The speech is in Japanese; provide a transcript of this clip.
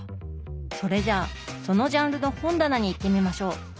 それじゃあそのジャンルの本棚に行ってみましょう。